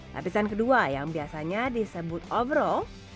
lapisan kedua yang biasanya disebut overall